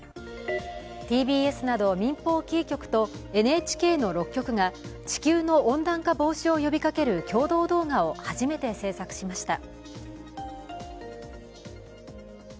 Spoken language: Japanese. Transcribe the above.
ＴＢＳなど民放キー局とＮＨＫの６局が地球の温暖化防止を呼びかける共同動画を初めて制作しました。